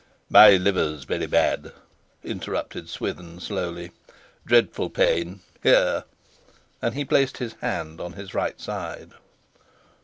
"My liver's very bad," interrupted Swithin slowly. "Dreadful pain here;" and he placed his hand on his right side.